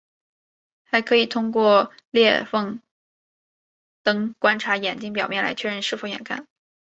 还可以通过裂缝灯观察眼睛表面来确认是否眼干。